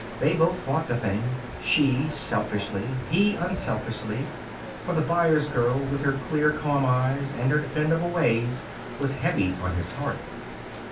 They both fought the thing, she selfishly, he unselfishly, for the Byers girl, with her clear, calm eyes and her dependable ways, was heavy on his heart.